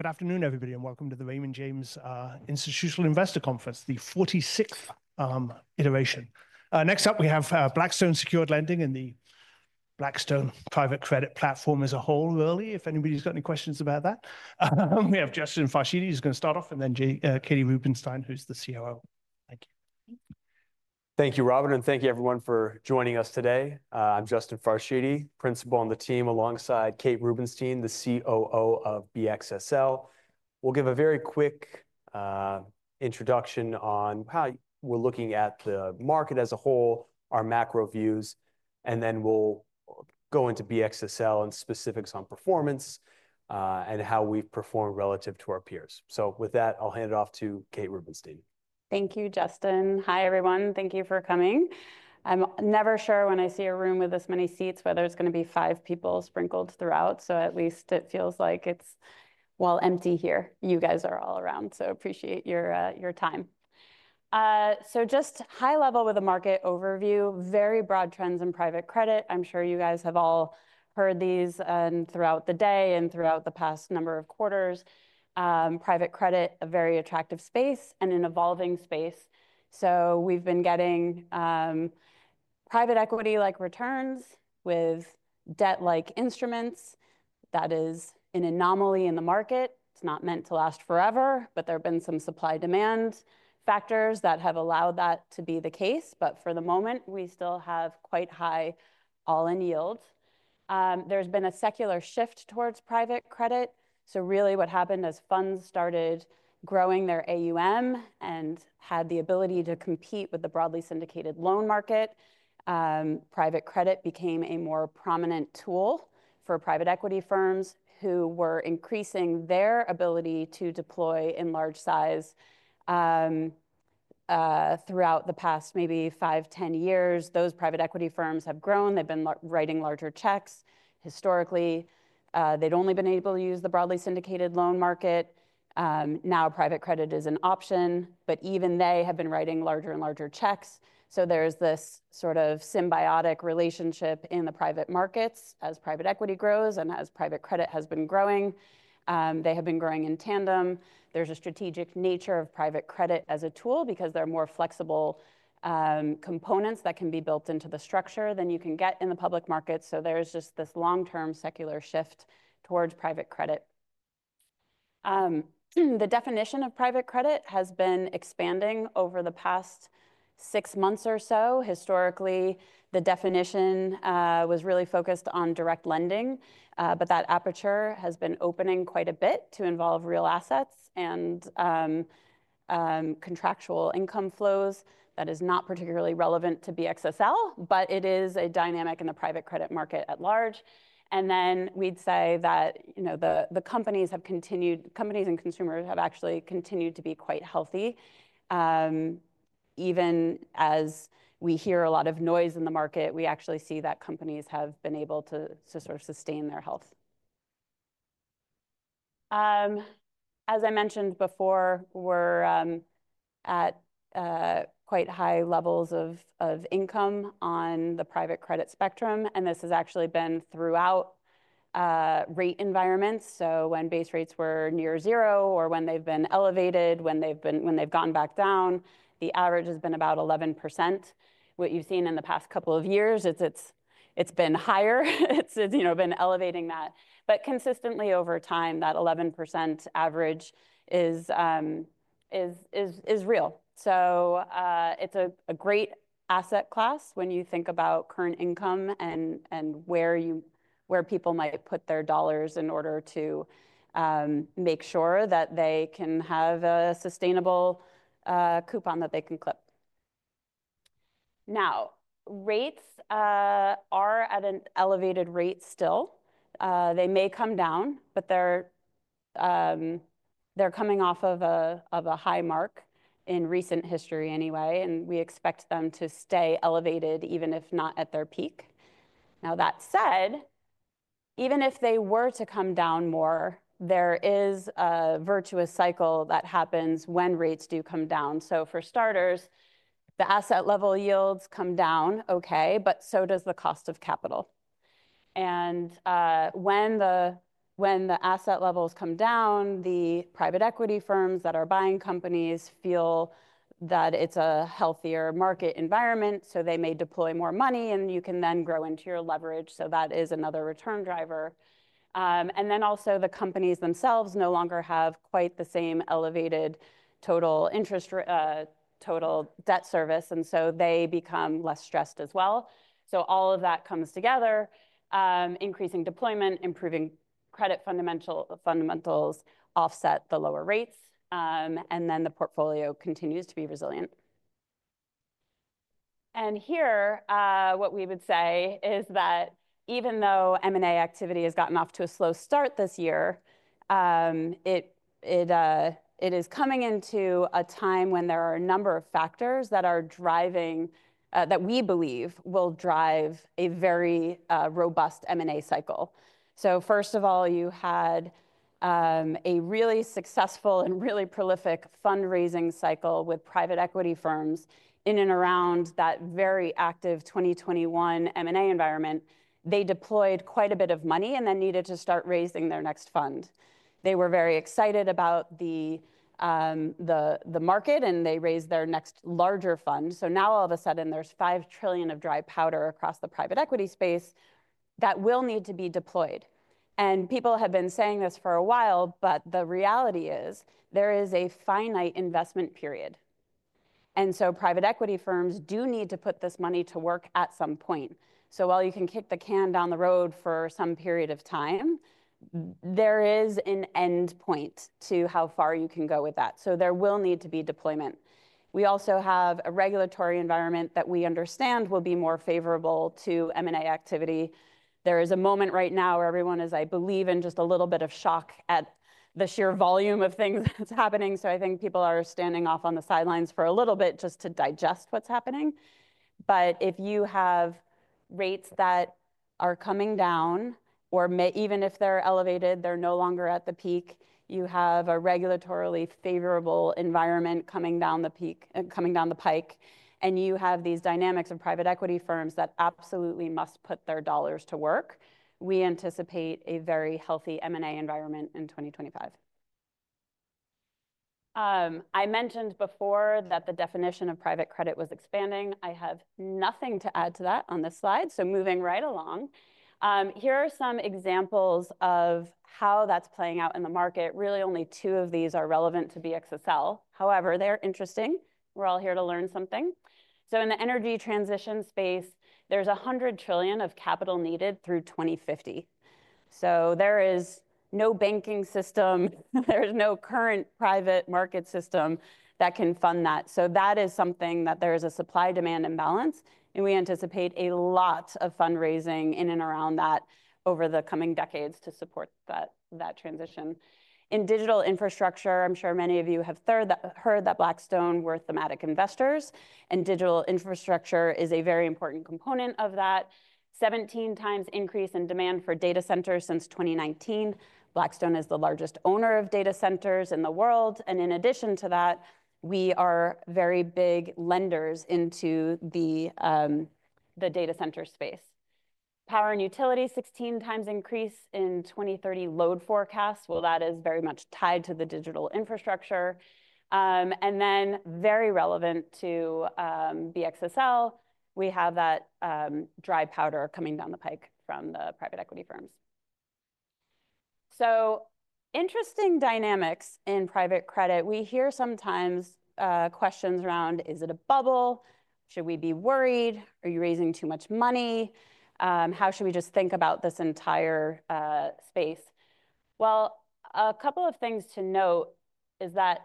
Good afternoon, everybody, and welcome to the Raymond James Institutional Investor Conference, the 46th Iteration. Next up, we have Blackstone Secured Lending and the Blackstone private Credit Platform as a whole. Also, if anybody's got any questions about that, we have Justin Farshidi who's going to start off, and then Katie Rubenstein, who's the COO. Thank you. Thank you, Robert, and thank you, everyone, for joining us today. I'm Justin Farshidi, principal on the team, alongside Kate Rubenstein, the COO of BXSL. We'll give a very quick introduction on how we're looking at the market as a whole, our macro views, and then we'll go into BXSL and specifics on performance and how we've performed relative to our peers. So with that, I'll hand it off to Kate Rubenstein. Thank you, Justin. Hi, everyone. Thank you for coming. I'm never sure when I see a room with this many seats whether it's going to be five people sprinkled throughout, so at least it feels like it's while empty here, you guys are all around, so appreciate your time. So just high level with a market overview, very broad trends in private credit. I'm sure you guys have all heard these throughout the day and throughout the past number of quarters. Private credit, a very attractive space and an evolving space. So we've been getting private equity-like returns with debt-like instruments. That is an anomaly in the market. It's not meant to last forever, but there have been some supply-demand factors that have allowed that to be the case. But for the moment, we still have quite high all-in yield. There's been a secular shift towards private credit. So really what happened as funds started growing their AUM and had the ability to compete with the broadly syndicated loan market, private credit became a more prominent tool for private equity firms who were increasing their ability to deploy in large size. Throughout the past maybe five, 10 years, those private equity firms have grown. They've been writing larger checks. Historically, they'd only been able to use the broadly syndicated loan market. Now private credit is an option, but even they have been writing larger and larger checks. So there's this sort of symbiotic relationship in the private markets as private equity grows and as private credit has been growing. They have been growing in tandem. There's a strategic nature of private credit as a tool because there are more flexible components that can be built into the structure than you can get in the public market. There's just this long-term secular shift towards private credit. The definition of private credit has been expanding over the past six months or so. Historically, the definition was really focused on direct lending, but that aperture has been opening quite a bit to involve real assets and contractual income flows. That is not particularly relevant to BXSL, but it is a dynamic in the private credit market at large. We'd say that companies and consumers have actually continued to be quite healthy. Even as we hear a lot of noise in the market, we actually see that companies have been able to sort of sustain their health. As I mentioned before, we're at quite high levels of income on the private credit spectrum, and this has actually been throughout rate environments. So when base rates were near zero or when they've been elevated, when they've gone back down, the average has been about 11%. What you've seen in the past couple of years is it's been higher. It's been elevating that. But consistently over time, that 11% average is real. So it's a great asset class when you think about current income and where people might put their dollars in order to make sure that they can have a sustainable coupon that they can clip. Now, rates are at an elevated rate still. They may come down, but they're coming off of a high mark in recent history anyway, and we expect them to stay elevated even if not at their peak. Now, that said, even if they were to come down more, there is a virtuous cycle that happens when rates do come down. So for starters, the asset level yields come down, okay, but so does the cost of capital. And when the asset levels come down, the private equity firms that are buying companies feel that it's a healthier market environment, so they may deploy more money, and you can then grow into your leverage. So that is another return driver. And then also the companies themselves no longer have quite the same elevated total debt service, and so they become less stressed as well. So all of that comes together. Increasing deployment, improving credit fundamentals offset the lower rates, and then the portfolio continues to be resilient. Here, what we would say is that even though M&A activity has gotten off to a slow start this year, it is coming into a time when there are a number of factors that are driving that we believe will drive a very robust M&A cycle. So first of all, you had a really successful and really prolific fundraising cycle with private equity firms in and around that very active 2021 M&A environment. They deployed quite a bit of money and then needed to start raising their next fund. They were very excited about the market, and they raised their next larger fund. So now all of a sudden, there's $5 trillion of dry powder across the private equity space that will need to be deployed. And people have been saying this for a while, but the reality is there is a finite investment period. Private equity firms do need to put this money to work at some point. While you can kick the can down the road for some period of time, there is an end point to how far you can go with that. There will need to be deployment. We also have a regulatory environment that we understand will be more favorable to M&A activity. There is a moment right now where everyone is, I believe, in just a little bit of shock at the sheer volume of things that's happening. I think people are standing off on the sidelines for a little bit just to digest what's happening. But if you have rates that are coming down, or even if they're elevated, they're no longer at the peak, you have a regulatorily favorable environment coming down the peak, coming down the pike, and you have these dynamics of private equity firms that absolutely must put their dollars to work, we anticipate a very healthy M&A environment in 2025. I mentioned before that the definition of private credit was expanding. I have nothing to add to that on this slide, so moving right along. Here are some examples of how that's playing out in the market. Really only two of these are relevant to BXSL. However, they're interesting. We're all here to learn something. So in the energy transition space, there's $100 trillion of capital needed through 2050. So there is no banking system. There is no current private market system that can fund that. That is something that there is a supply-demand imbalance, and we anticipate a lot of fundraising in and around that over the coming decades to support that transition. In digital infrastructure, I'm sure many of you have heard that Blackstone were thematic investors, and digital infrastructure is a very important component of that. 17 times increase in demand for data centers since 2019. Blackstone is the largest owner of data centers in the world. And in addition to that, we are very big lenders into the data center space. Power and utility, 16 times increase in 2030 load forecasts. Well, that is very much tied to the digital infrastructure. And then very relevant to BXSL, we have that dry powder coming down the pike from the private equity firms. Interesting dynamics in private credit. We hear sometimes questions around, Is it a bubble? Should we be worried? Are you raising too much money? How should we just think about this entire space? Well, a couple of things to note is that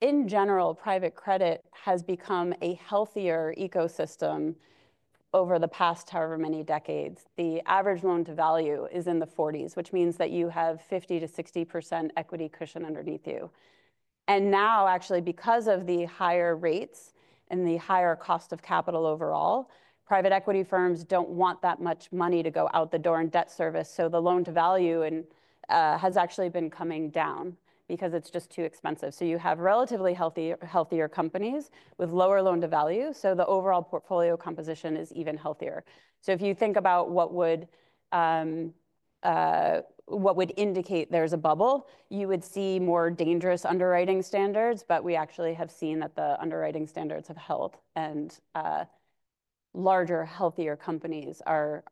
in general, private credit has become a healthier ecosystem over the past however many decades. The average loan-to-value is in the 40s, which means that you have 50%-60% equity cushion underneath you. And now, actually, because of the higher rates and the higher cost of capital overall, private equity firms don't want that much money to go out the door in debt service. So the loan-to-value has actually been coming down because it's just too expensive. So you have relatively healthier companies with lower loan-to-value. So the overall portfolio composition is even healthier. If you think about what would indicate there's a bubble, you would see more dangerous underwriting standards, but we actually have seen that the underwriting standards have held and larger, healthier companies are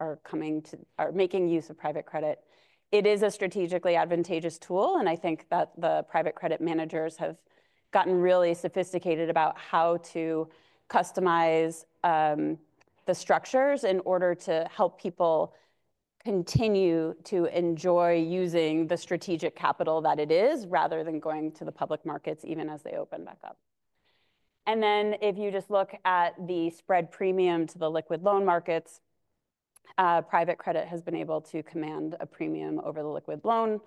making use of private credit. It is a strategically advantageous tool, and I think that the private credit managers have gotten really sophisticated about how to customize the structures in order to help people continue to enjoy using the strategic capital that it is rather than going to the public markets even as they open back up. Then if you just look at the spread premium to the liquid loan markets, private credit has been able to command a premium over the liquid loan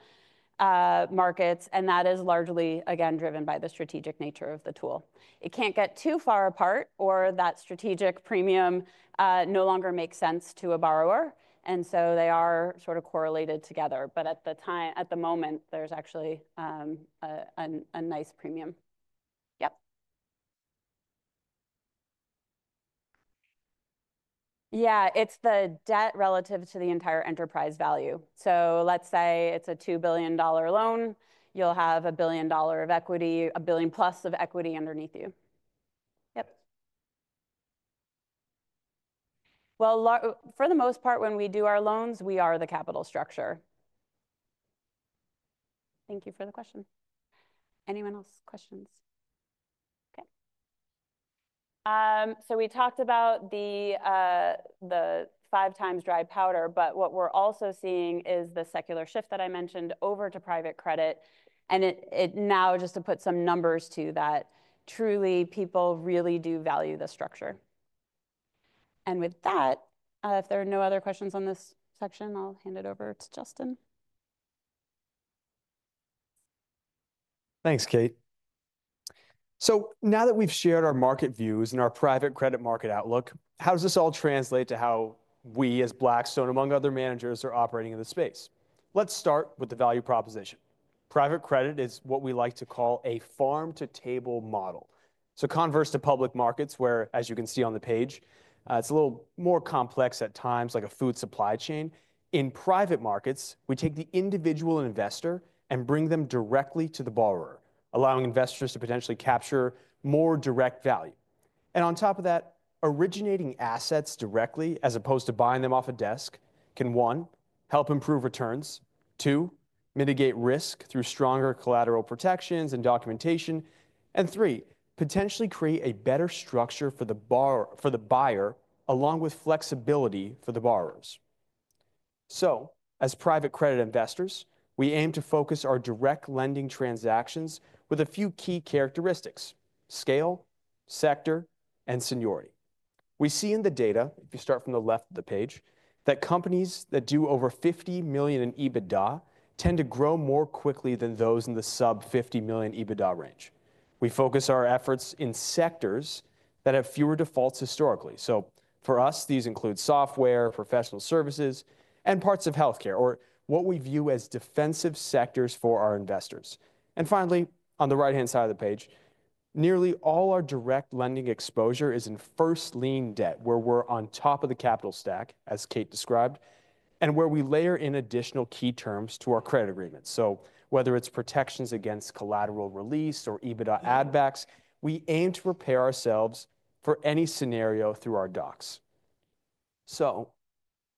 markets, and that is largely, again, driven by the strategic nature of the tool. It can't get too far apart or that strategic premium no longer makes sense to a borrower, and so they are sort of correlated together, but at the moment, there's actually a nice premium. Yep. Yeah, it's the debt relative to the entire enterprise value, so let's say it's a $2 billion loan. You'll have a billion dollar of equity, a billion plus of equity underneath you. Yep, well, for the most part, when we do our loans, we are the capital structure. Thank you for the question. Anyone else? Questions? Okay, so we talked about the five times dry powder, but what we're also seeing is the secular shift that I mentioned over to Private Credit, and now just to put some numbers to that, truly people really do value the structure. And with that, if there are no other questions on this section, I'll hand it over to Justin. Thanks, Kate. So now that we've shared our market views and our private credit market outlook, how does this all translate to how we as Blackstone, among other managers, are operating in the space? Let's start with the value proposition. Private credit is what we like to call a farm-to-table model. So converse to public markets, where, as you can see on the page, it's a little more complex at times, like a food supply chain. In private markets, we take the individual investor and bring them directly to the borrower, allowing investors to potentially capture more direct value. And on top of that, originating assets directly as opposed to buying them off a desk can, one, help improve returns, two, mitigate risk through stronger collateral protections and documentation, and three, potentially create a better structure for the buyer along with flexibility for the borrowers. So as private credit investors, we aim to focus our direct lending transactions with a few key characteristics: scale, sector, and seniority. We see in the data, if you start from the left of the page, that companies that do over $50 million in EBITDA tend to grow more quickly than those in the sub-$50 million EBITDA range. We focus our efforts in sectors that have fewer defaults historically. So for us, these include software, professional services, and parts of healthcare or what we view as defensive sectors for our investors. Finally, on the right-hand side of the page, nearly all our direct lending exposure is in first-lien debt, where we're on top of the capital stack, as Kate described, and where we layer in additional key terms to our credit agreements. Whether it's protections against collateral release or EBITDA add-backs, we aim to prepare ourselves for any scenario through our docs.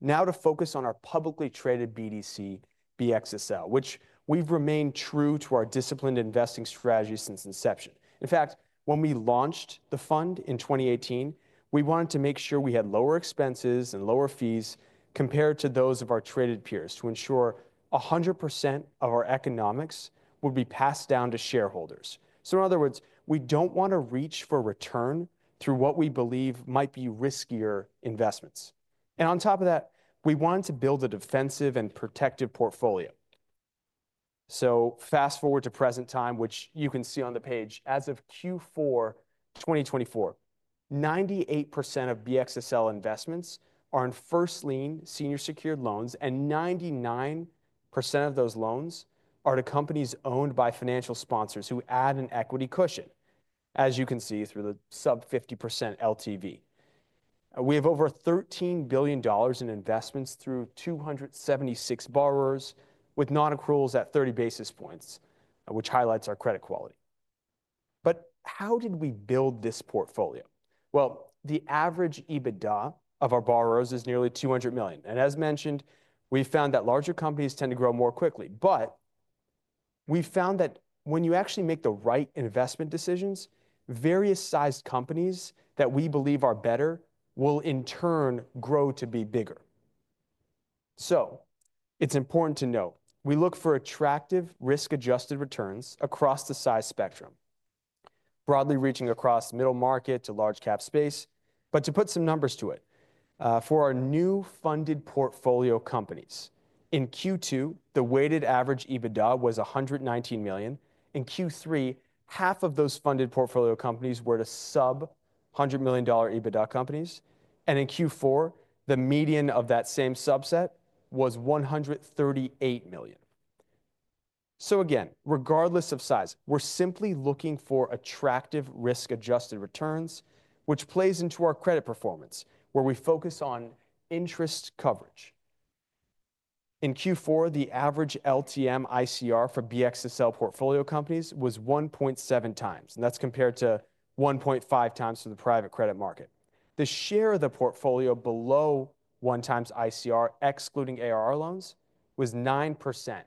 Now to focus on our publicly traded BDC, BXSL, which we've remained true to our disciplined investing strategy since inception. In fact, when we launched the fund in 2018, we wanted to make sure we had lower expenses and lower fees compared to those of our traded peers to ensure 100% of our economics would be passed down to shareholders. In other words, we don't want to reach for return through what we believe might be riskier investments. And on top of that, we want to build a defensive and protective portfolio. So fast forward to present time, which you can see on the page, as of Q4 2024, 98% of BXSL investments are in first-lien senior secured loans, and 99% of those loans are to companies owned by financial sponsors who add an equity cushion, as you can see through the sub-50% LTV. We have over $13 billion in investments through 276 borrowers with non-accruals at 30 basis points, which highlights our credit quality. But how did we build this portfolio? Well, the average EBITDA of our borrowers is nearly $200 million. And as mentioned, we found that larger companies tend to grow more quickly. But we found that when you actually make the right investment decisions, various sized companies that we believe are better will in turn grow to be bigger. So it's important to note, we look for attractive risk-adjusted returns across the size spectrum, broadly reaching across middle market to large-cap space. But to put some numbers to it, for our new funded portfolio companies, in Q2, the weighted average EBITDA was $119 million. In Q3, half of those funded portfolio companies were to sub-$100 million EBITDA companies. And in Q4, the median of that same subset was $138 million. So again, regardless of size, we're simply looking for attractive risk-adjusted returns, which plays into our credit performance, where we focus on interest coverage. In Q4, the average LTM ICR for BXSL portfolio companies was 1.7x, and that's compared to 1.5x to the private credit market. The share of the portfolio below one times ICR, excluding ARR loans, was 9%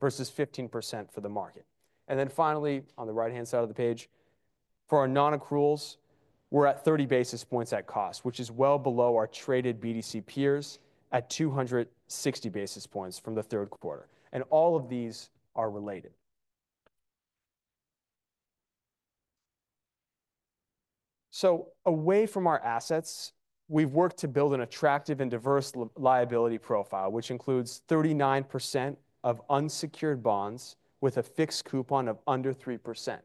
versus 15% for the market. And then finally, on the right-hand side of the page, for our nonaccruals, we're at 30 basis points at cost, which is well below our traded BDC peers at 260 basis points from the third quarter. And all of these are related. So away from our assets, we've worked to build an attractive and diverse liability profile, which includes 39% of unsecured bonds with a fixed coupon of under 3%,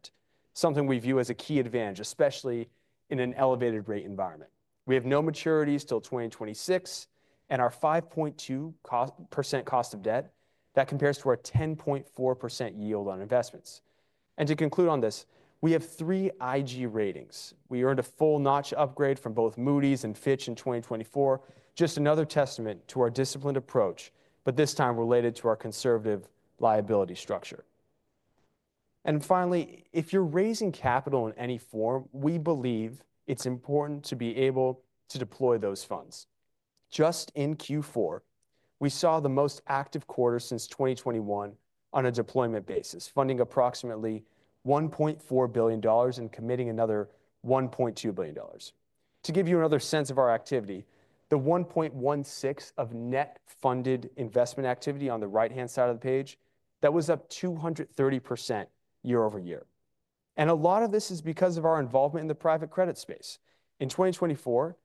something we view as a key advantage, especially in an elevated rate environment. We have no maturities till 2026, and our 5.2% cost of debt, that compares to our 10.4% yield on investments. And to conclude on this, we have three IG ratings. We earned a full notch upgrade from both Moody's and Fitch in 2024, just another testament to our disciplined approach, but this time related to our conservative liability structure. Finally, if you're raising capital in any form, we believe it's important to be able to deploy those funds. Just in Q4, we saw the most active quarter since 2021 on a deployment basis, funding approximately $1.4 billion and committing another $1.2 billion. To give you another sense of our activity, the $1.16 billion of net funded activity on the right-hand side of the page, that was up 230% year-over-year. A lot of this is because of our involvement in the private credit space. In 2024,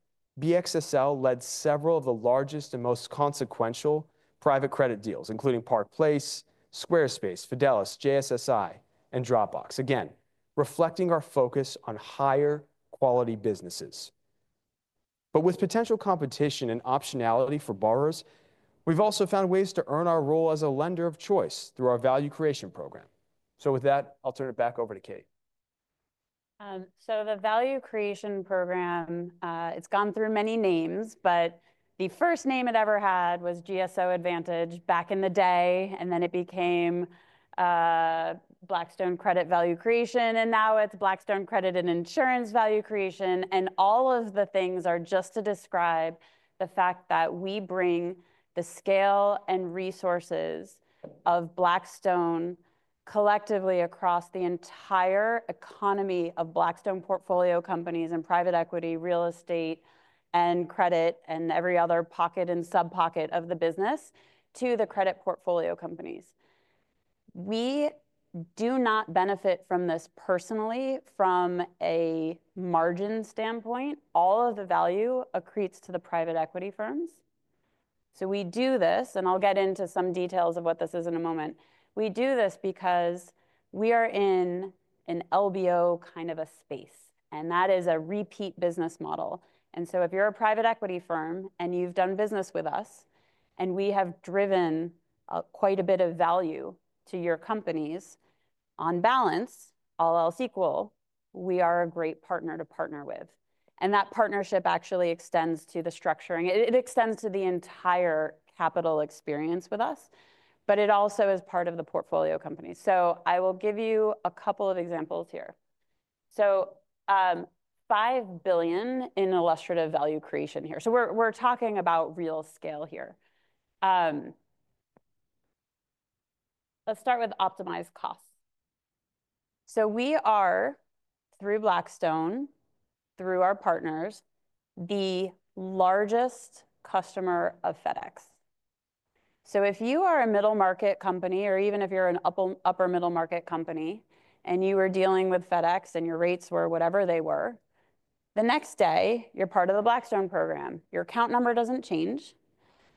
BXSL led several of the largest and most consequential private credit deals, including Park Place, Squarespace, Fidelis, JSSI, and Dropbox. Again, reflecting our focus on higher quality businesses. With potential competition and optionality for borrowers, we've also found ways to earn our role as a lender of choice through our value creation program. So with that, I'll turn it back over to Kate. So the value creation program, it's gone through many names, but the first name it ever had was GSO Advantage back in the day, and then it became Blackstone Credit Value Creation, and now it's Blackstone Credit and Insurance Value Creation. And all of the things are just to describe the fact that we bring the scale and resources of Blackstone collectively across the entire ecosystem of Blackstone portfolio companies and private equity, real estate, and credit, and every other pocket and sub-pocket of the business to the credit portfolio companies. We do not benefit from this personally. From a margin standpoint, all of the value accretes to the private equity firms. So we do this, and I'll get into some details of what this is in a moment. We do this because we are in an LBO kind of a space, and that is a repeat business model, and so if you're a private equity firm and you've done business with us and we have driven quite a bit of value to your companies, on balance, all else equal, we are a great partner to partner with, and that partnership actually extends to the structuring. It extends to the entire capital experience with us, but it also is part of the portfolio company, so I will give you a couple of examples here, so $5 billion in illustrative value creation here, so we're talking about real scale here. Let's start with optimized costs, so we are, through Blackstone, through our partners, the largest customer of FedEx. So if you are a middle market company, or even if you're an upper middle market company, and you were dealing with FedEx and your rates were whatever they were, the next day, you're part of the Blackstone program. Your account number doesn't change,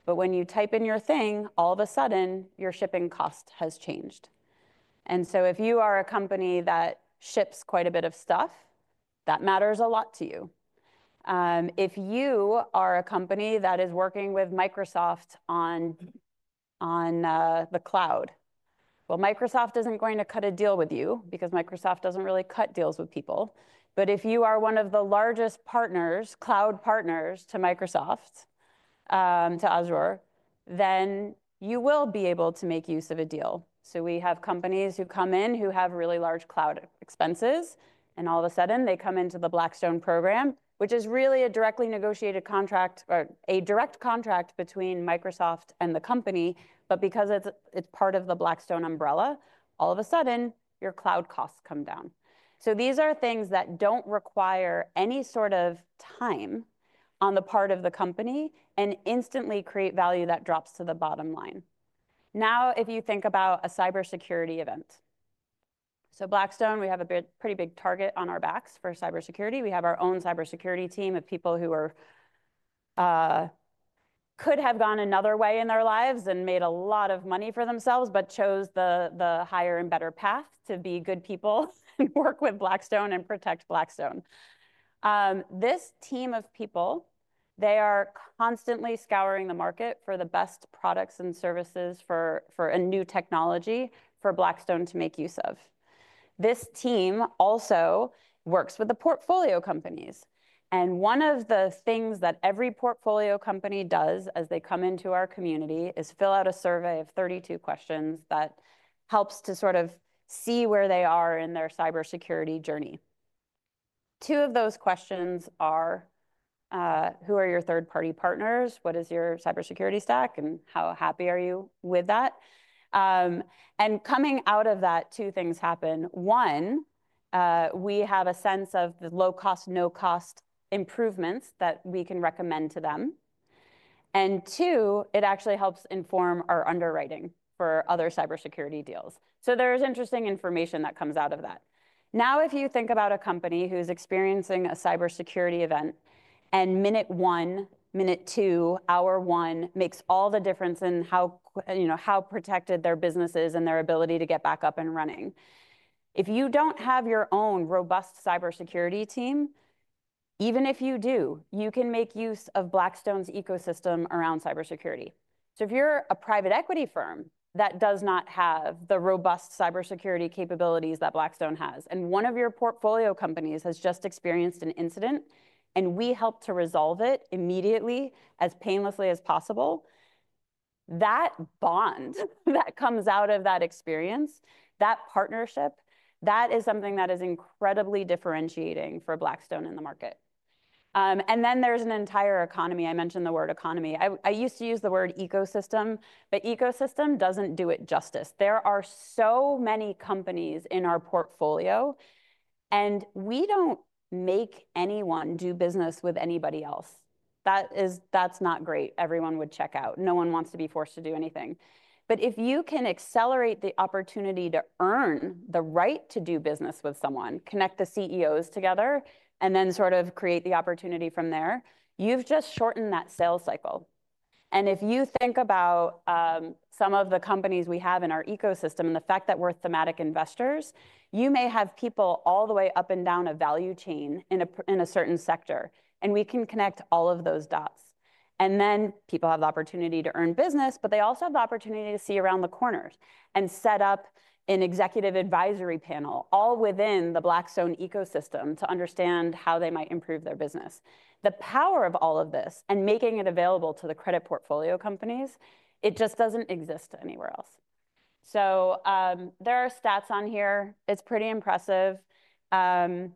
but when you type in your thing, all of a sudden, your shipping cost has changed. And so if you are a company that ships quite a bit of stuff, that matters a lot to you. If you are a company that is working with Microsoft on the cloud, well, Microsoft isn't going to cut a deal with you because Microsoft doesn't really cut deals with people. But if you are one of the largest partners, cloud partners to Microsoft, to Azure, then you will be able to make use of a deal. So we have companies who come in who have really large cloud expenses, and all of a sudden, they come into the Blackstone program, which is really a directly negotiated contract or a direct contract between Microsoft and the company. But because it's part of the Blackstone umbrella, all of a sudden, your cloud costs come down. So these are things that don't require any sort of time on the part of the company and instantly create value that drops to the bottom line. Now, if you think about a cybersecurity event, so Blackstone, we have a pretty big target on our backs for cybersecurity. We have our own cybersecurity team of people who could have gone another way in their lives and made a lot of money for themselves, but chose the higher and better path to be good people and work with Blackstone and protect Blackstone. This team of people, they are constantly scouring the market for the best products and services for a new technology for Blackstone to make use of. This team also works with the portfolio companies. And one of the things that every portfolio company does as they come into our community is fill out a survey of 32 questions that helps to sort of see where they are in their cybersecurity journey. Two of those questions are, who are your third-party partners? What is your cybersecurity stack? And how happy are you with that? And coming out of that, two things happen. One, we have a sense of the low-cost, no-cost improvements that we can recommend to them. And two, it actually helps inform our underwriting for other cybersecurity deals. So there is interesting information that comes out of that. Now, if you think about a company who's experiencing a cybersecurity event and minute one, minute two, hour one makes all the difference in how protected their business is and their ability to get back up and running. If you don't have your own robust cybersecurity team, even if you do, you can make use of Blackstone's ecosystem around cybersecurity. So if you're a private equity firm that does not have the robust cybersecurity capabilities that Blackstone has, and one of your portfolio companies has just experienced an incident, and we help to resolve it immediately as painlessly as possible, that bond that comes out of that experience, that partnership, that is something that is incredibly differentiating for Blackstone in the market, and then there's an entire economy. I mentioned the word economy. I used to use the word ecosystem, but ecosystem doesn't do it justice. There are so many companies in our portfolio, and we don't make anyone do business with anybody else. That's not great. Everyone would check out. No one wants to be forced to do anything. But if you can accelerate the opportunity to earn the right to do business with someone, connect the CEOs together, and then sort of create the opportunity from there, you've just shortened that sales cycle. And if you think about some of the companies we have in our ecosystem and the fact that we're thematic investors, you may have people all the way up and down a value chain in a certain sector, and we can connect all of those dots. And then people have the opportunity to earn business, but they also have the opportunity to see around the corners and set up an executive advisory panel all within the Blackstone ecosystem to understand how they might improve their business. The power of all of this and making it available to the credit portfolio companies, it just doesn't exist anywhere else. So there are stats on here. It's pretty impressive. And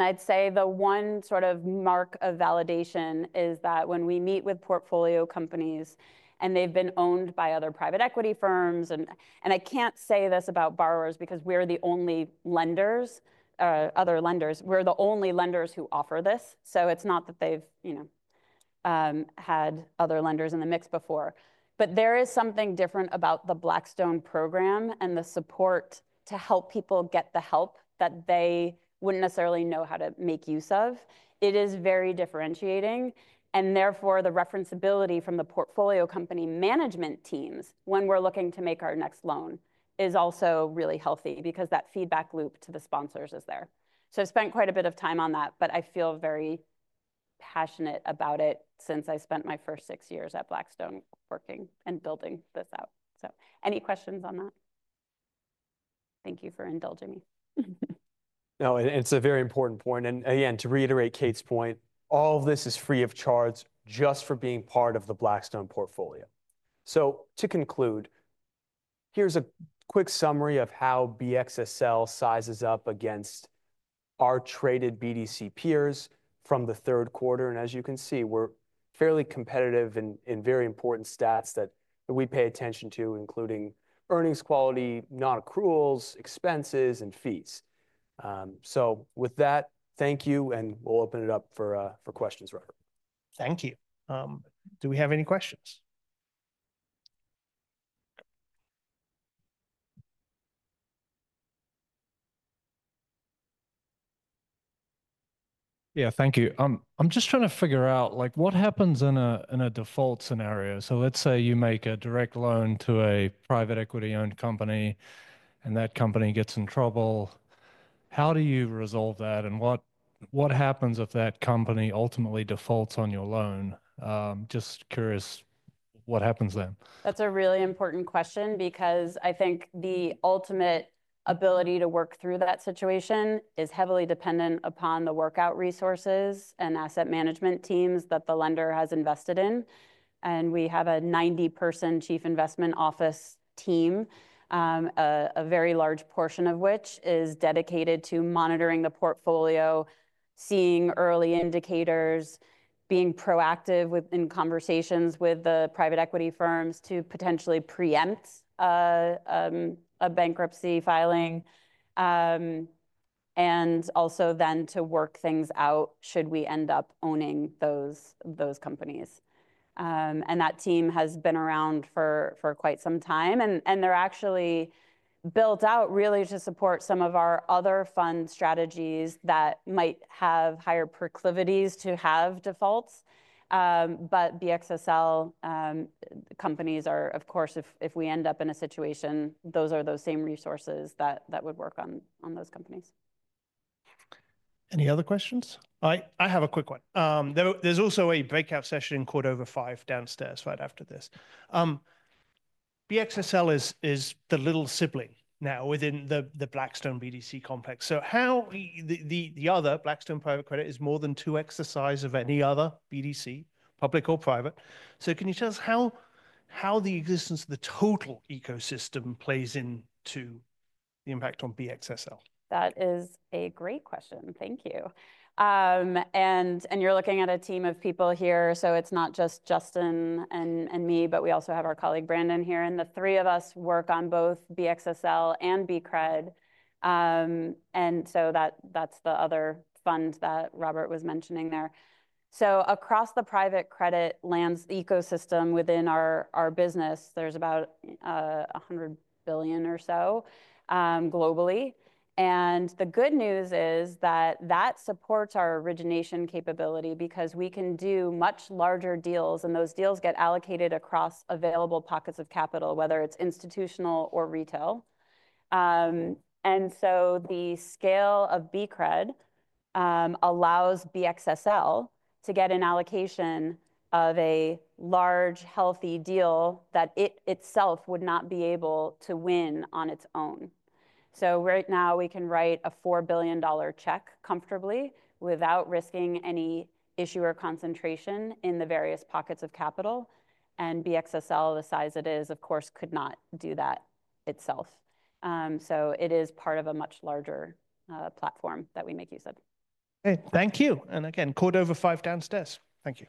I'd say the one sort of mark of validation is that when we meet with portfolio companies and they've been owned by other private equity firms, and I can't say this about borrowers because we're the only lenders who offer this. So it's not that they've had other lenders in the mix before. But there is something different about the Blackstone program and the support to help people get the help that they wouldn't necessarily know how to make use of. It is very differentiating. And therefore, the referenceability from the portfolio company management teams when we're looking to make our next loan is also really healthy because that feedback loop to the sponsors is there. So I've spent quite a bit of time on that, but I feel very passionate about it since I spent my first six years at Blackstone working and building this out. So any questions on that? Thank you for indulging me. No, it's a very important point. And again, to reiterate Kate's point, all of this is free of charge just for being part of the Blackstone portfolio. So to conclude, here's a quick summary of how BXSL sizes up against our traded BDC peers from the third quarter. And as you can see, we're fairly competitive in very important stats that we pay attention to, including earnings quality, non-accruals, expenses, and fees. So with that, thank you, and we'll open it up for questions, Robert. Thank you. Do we have any questions? Yeah, thank you. I'm just trying to figure out what happens in a default scenario. So let's say you make a direct loan to a private equity-owned company, and that company gets in trouble. How do you resolve that? And what happens if that company ultimately defaults on your loan? Just curious what happens then. That's a really important question because I think the ultimate ability to work through that situation is heavily dependent upon the workout resources and asset management teams that the lender has invested in. And we have a 90-person Chief Investment Office team, a very large portion of which is dedicated to monitoring the portfolio, seeing early indicators, being proactive in conversations with the private equity firms to potentially preempt a bankruptcy filing, and also then to work things out should we end up owning those companies. And that team has been around for quite some time, and they're actually built out really to support some of our other fund strategies that might have higher proclivities to have defaults. But BXSL companies are, of course, if we end up in a situation, those are those same resources that would work on those companies. Any other questions? I have a quick one. There's also a breakout session in quarter over five downstairs right after this. BXSL is the little sibling now within the Blackstone BDC complex. The other Blackstone private credit is more than two X the size of any other BDC, public or private. Can you tell us how the existence of the total ecosystem plays into the impact on BXSL? That is a great question. Thank you. You're looking at a team of people here. It's not just Justin and me, but we also have our colleague Brandon here. The three of us work on both BXSL and BCRED. That's the other fund that Robert was mentioning there. Across the private credit lending ecosystem within our business, there's about $100 billion or so globally. And the good news is that that supports our origination capability because we can do much larger deals, and those deals get allocated across available pockets of capital, whether it's institutional or retail. And so the scale of BCRED allows BXSL to get an allocation of a large, healthy deal that it itself would not be able to win on its own. So right now, we can write a $4 billion check comfortably without risking any issuer concentration in the various pockets of capital. And BXSL, the size it is, of course, could not do that itself. So it is part of a much larger platform that we make use of. Okay, thank you. And again, quarter over five downstairs. Thank you.